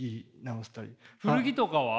古着とかは？